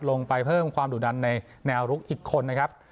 ลงไปเพิ่มความดุดันในแนวลุกอีกคนนะครับ